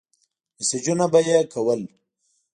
مسېجونه به يې کول.